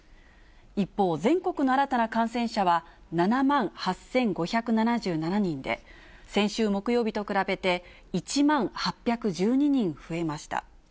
一方、全国の新たな感染者は７万８５７７人で、先週木曜日と比べて１万８１２人増えました。